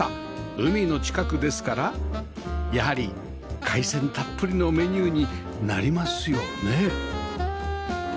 海の近くですからやはり海鮮たっぷりのメニューになりますよね